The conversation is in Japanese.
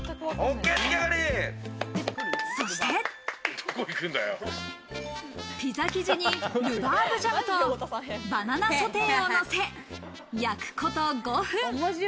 そしてピザ生地にルバーブジャムとバナナソテーをのせ、焼くこと５分。